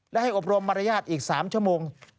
และให้อบรมมารยาทอีก๓ชั่วโมง